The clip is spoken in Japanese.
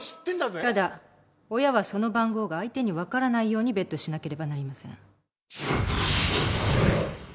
ただ親はその番号が相手に分からないようにベットしなければなりません。